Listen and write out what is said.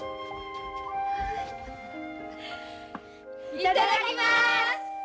いただきます！